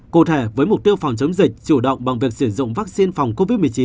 cụ thể với mục tiêu phòng chống dịch chủ động bằng việc sử dụng vaccine phòng covid một mươi chín